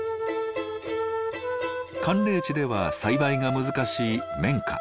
寒冷地では栽培が難しい綿花。